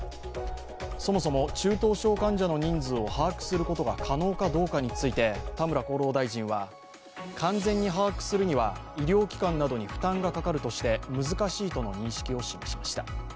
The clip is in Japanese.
そもそも中等症患者の人数を把握することが可能かどうかについて田村厚労大臣は完全に把握するには医療機関などに負担がかかるとして、難しいとの認識を示しました。